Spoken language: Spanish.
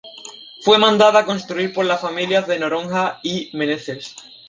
Fue mandada construir por las familias de "Noronha" y "Menezes".